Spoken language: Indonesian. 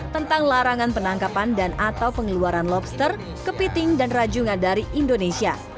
tentang larangan penangkapan dan atau pengeluaran lobster kepiting dan rajungan dari indonesia